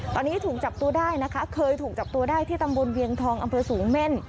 ตอนนี้ถูกจับตัวได้นะคะเคยถูกจับตัวได้ที่ตำบลเวียงทองอำเภอสูงเม่น